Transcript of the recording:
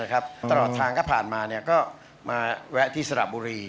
ตลอดทางก็ผ่านมาก็มาแวะที่สระบุรี